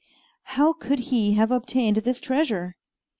How could he have obtained this treasure?